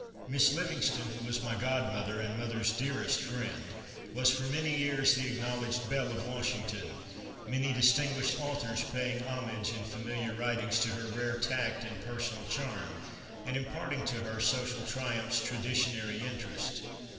Miss Livingston, who was my god mother and mother's dearest friend, was for many years the acknowledged belle of Washington, many distinguished authors paying homage in familiar writings to her rare tact and personal charm and im parting to her social triumphs traditionary interest.